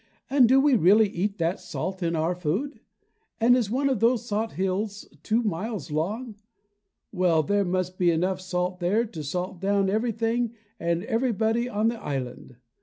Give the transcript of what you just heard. "And do we really eat that salt in our food? And is one of those salt hills two miles long? Well, there must be enough salt there to salt down everything and everybody on the island.